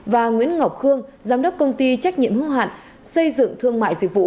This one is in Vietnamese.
và nguyễn ngọc khương giám đốc công ty trách nhiệm hưu hạn xây dựng thương mại dịch vụ